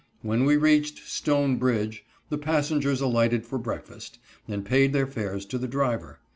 When we reached "Stone Bridge" the passengers alighted for breakfast, and paid their fares to the driver.